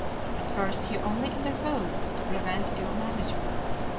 At first he only interposed to prevent ill management.